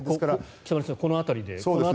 北村さん、この辺りで。